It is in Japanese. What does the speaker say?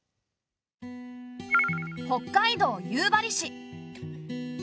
北海道夕張市。